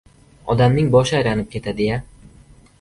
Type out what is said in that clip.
— Odamning boshi aylanib ketadi-ya!